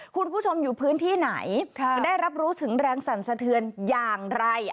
คุณผู้ชมอยู่พื้นที่ไหนจะได้รับรู้ถึงแรงสั่นสะเทือนอย่างไร